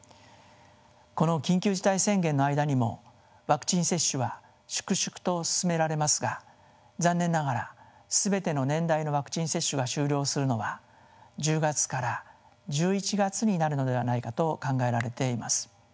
この緊急事態宣言の間にもワクチン接種は粛々と進められますが残念ながら全ての年代のワクチン接種が終了するのは１０月から１１月になるのではないかと考えられています。